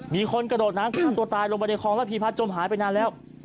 มีคนกระโดดน้ำฆ่าตัวตายลงไปในคลองระพีพัฒนจมหายไปนานแล้ว